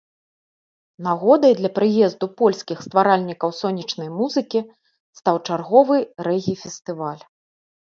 Нагодай для прыезду польскіх стваральнікаў сонечнай музыкі стаў чарговы рэгі-фестываль.